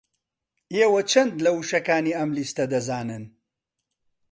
ئێوە چەند لە وشەکانی ئەم لیستە دەزانن؟